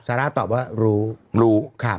ซาร่ารั้ะตอบว่ารู้